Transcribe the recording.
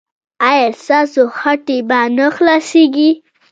ایا ستاسو هټۍ به نه خلاصیږي؟